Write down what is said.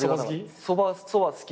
そば好き？